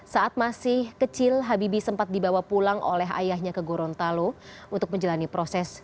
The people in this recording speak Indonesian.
saat masih kecil habibie sempat dibawa pulang oleh ayahnya ke gorontalo untuk menjalani proses